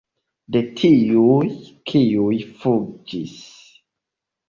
De tiuj, kiuj fuĝis.